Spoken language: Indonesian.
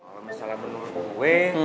kalo misalnya menurut gue